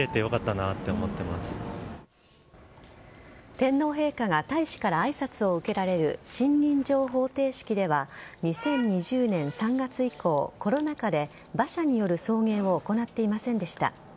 天皇陛下が大使から挨拶を受けられる信任状捧呈式では２０２０年３月以降コロナ禍で馬車による送迎を行っていませんでした。